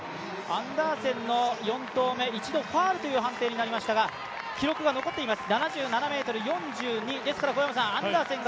アンダーセンの４投目、一度ファウルという判定になりましたが記録が残っています、７７ｍ４２。